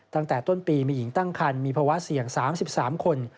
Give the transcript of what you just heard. ตั้งแต่ต้นปีมีหญิงตั้งคันมีภาวะเสี่ยง๓๓คน